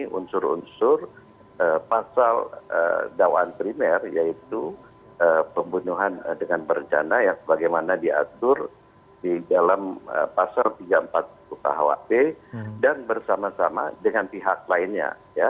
ini unsur unsur pasal dakwaan primer yaitu pembunuhan dengan bercana yang bagaimana diatur di dalam pasal tiga puluh empat kukhwp dan bersama sama dengan pihak lainnya